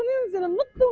menutup dan menutup